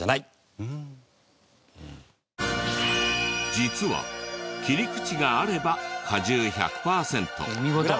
実は切り口があれば果汁１００パーセント。